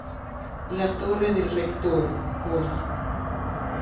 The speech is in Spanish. La Torre del Rector, Pol.